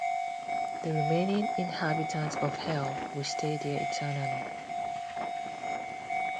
The remaining inhabitants of Hell will stay there eternally.